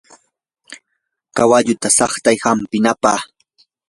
kawalluta saqtay hampinapaq.